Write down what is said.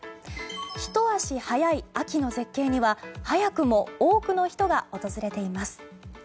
ひと足早い秋の絶景には早くも多くの人が訪れています。